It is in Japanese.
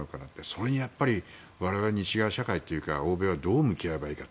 それに我々、西側諸国というか欧米はどう向き合えばいいか。